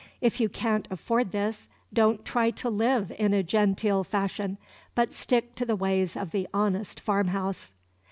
If you can't afford this, don't try to live in a "genteel" fashion, but stick to the ways of the honest farm house.